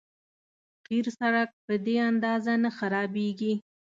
قیر سړک په دې اندازه نه خرابېږي.